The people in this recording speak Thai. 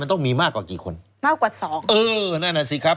เออนั่นแหละสิครับ